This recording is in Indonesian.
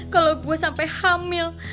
kalau gue sampai hamil